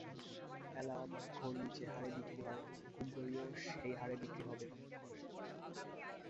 অ্যালাম-ঘড়ি যে-হারে বিক্রি হয়, ঘুম-ঘড়িও সেই হারে বিক্রি হবে।